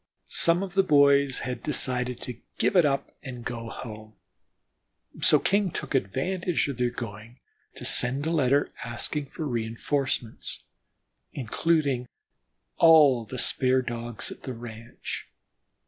Some of the boys decided to give it up and go home, so King took advantage of their going, to send a letter, asking for reënforcements including all the spare Dogs at the ranch.